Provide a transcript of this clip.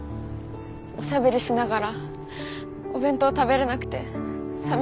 おしゃべりしながらお弁当食べれなくてさみしかった。